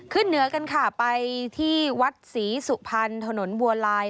เหนือกันค่ะไปที่วัดศรีสุพรรณถนนบัวลาย